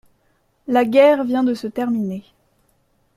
La guerre vient de se terminer.